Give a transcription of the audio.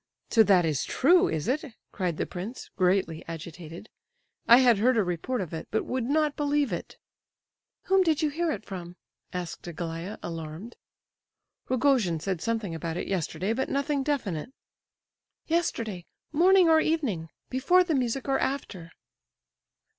"So that is true, is it?" cried the prince, greatly agitated. "I had heard a report of it, but would not believe it." "Whom did you hear it from?" asked Aglaya, alarmed. "Rogojin said something about it yesterday, but nothing definite." "Yesterday! Morning or evening? Before the music or after?"